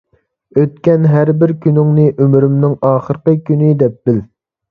ئۆتكەن ھەر بىر كۈنۈڭنى ئۆمرۈمنىڭ ئاخىرقى كۈنى دەپ بىل.